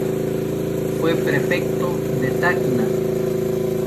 Fue prefecto de Tacna.